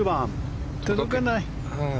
届かない。